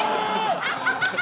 ハハハハ！